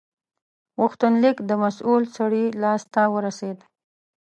غوښتنلیک د مسول سړي لاس ته ورسید.